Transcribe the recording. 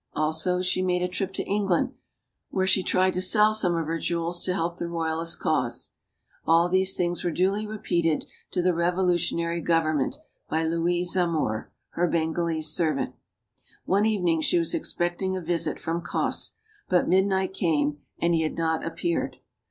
Also, she made a trip to England, where she tried to sell some of her jewels to help the royalist cause. All these things were duly repeated to the revolutionary government by Louis Zamore, her Bengalese servant. One evening she was expecting a visit from Cosse. But midnight came, and he had not appeared.